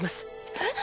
えっ？